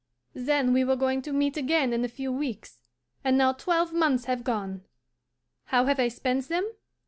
Then we were going to meet again in a few weeks, and now twelve months have gone! How have I spent them?